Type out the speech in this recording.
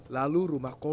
lalu rumah kolwat